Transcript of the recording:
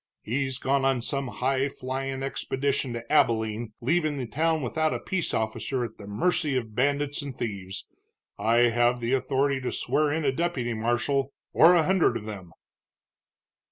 He's gone on some high flyin' expedition to Abilene, leaving the town without a peace officer at the mercy of bandits and thieves. I have the authority to swear in a deputy marshal, or a hundred of them."